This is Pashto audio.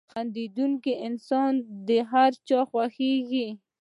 • خندېدونکی انسان د هر چا خوښېږي.